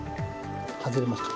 外れました。